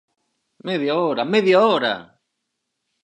¡Media hora, media hora!